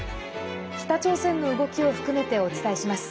北朝鮮の動きを含めてお伝えします。